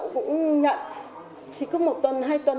thế thì có một tuần hai tuần